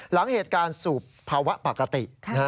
หลังเหตุการณ์สู่ภาวะปกติ